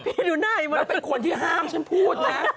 พี่ดูหน้าให้มันแล้วเป็นคนที่ห้ามฉันพูดนะ